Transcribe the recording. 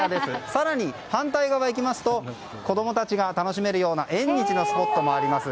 更に反対側に行くと子供たちが楽しめるような縁日のスポットがあります。